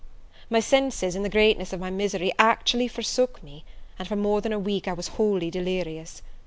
My senses, in the greatness of my misery, actually forsook me, and, for more than a week, I was wholly delirious.